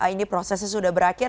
ini prosesnya sudah berakhir